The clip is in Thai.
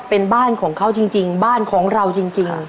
เป็นบ้านของเขาจริงบ้านของเราจริง